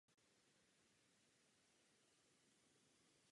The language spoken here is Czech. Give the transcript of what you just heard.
Pacient nechce jezdit s plnou kapsou peněz.